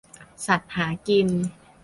สัตว์หากิน